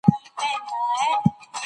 که د اثر ډول معلوم نسي نو څېړنه مه کوئ.